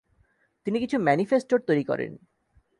তিনি কিছু ম্যানিফেস্টোর তৈরি করেন।